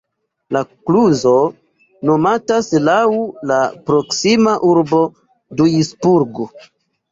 La kluzo nomatas laŭ la proksima urbo Duisburg.